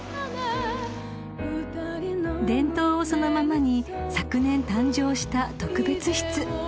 ［伝統をそのままに昨年誕生した特別室］